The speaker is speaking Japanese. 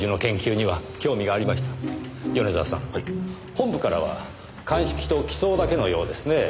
本部からは鑑識と機捜だけのようですねぇ。